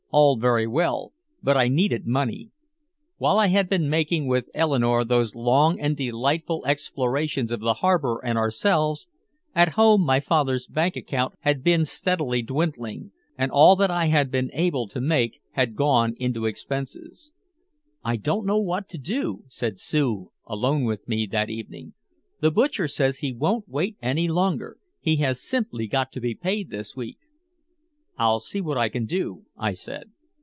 All very well, but I needed money. While I had been making with Eleanore those long and delightful explorations of the harbor and ourselves, at home my father's bank account had been steadily dwindling, and all that I had been able to make had gone into expenses. "I don't know what to do," said Sue, alone with me that evening. "The butcher says he won't wait any longer. He has simply got to be paid this week." "I'll see what I can do," I said.